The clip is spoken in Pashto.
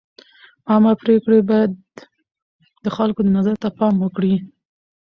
عامه پرېکړې باید د خلکو نظر ته پام وکړي.